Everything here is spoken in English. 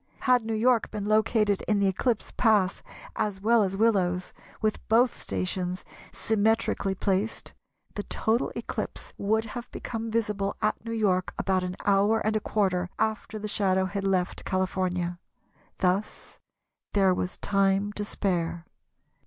Had New York been located in the eclipse path as well as Willows, with both stations symmetrically placed, the total eclipse would have become visible at New York about an hour and a quarter after the shadow had left California. Thus there was time to spare.